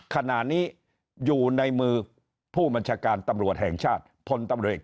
ขณะนี้อยู่ในมือผู้บัญชาการตำรวจแห่งชาติพลตำรวจ